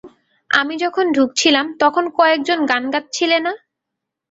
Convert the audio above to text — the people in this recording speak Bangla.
আমি যখন ঢুকছিলাম, তখন কয়েকজন গান গাচ্ছিলে না?